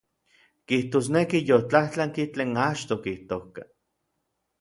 Kijtosneki yotlajtlanki tlen achtoj okijtojka.